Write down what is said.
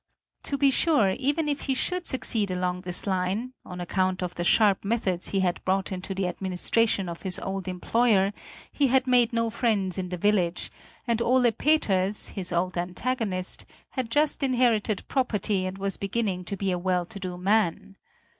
To be sure, even if he should succeed along this line on account of the sharp methods he had brought into the administration of his old employer, he had made no friends in the village, and Ole Peters, his old antagonist, had just inherited property and was beginning to be a well to do man.